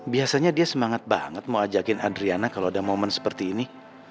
biasanya dia semangat banget mau ajakin adriana kalau ada momen seperti ini